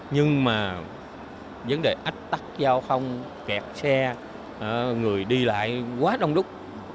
nhưng mà vấn đề ách tắt giao không kẹt xe người đi lại quá đông đúc